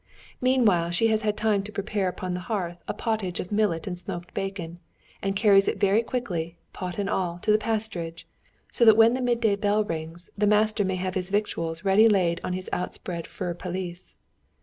Meanwhile, she has had time to prepare upon the hearth a pottage of millet and smoked bacon, and carry it quickly, pot and all, to the pasturage, so that when the mid day bell rings, the master may have his victuals ready laid on his outspread fur pelisse.